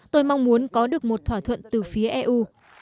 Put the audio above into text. tôi mong muốn có được một thỏa thuận từ phía eu